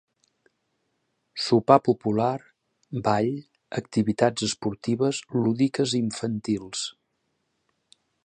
Sopar popular, ball, activitats esportives, lúdiques i infantils.